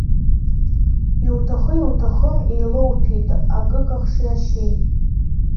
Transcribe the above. Иуҭахы-иуҭахым еилоуҭәеит акыкахши ашьеи!